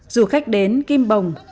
dù khách đến kim bồng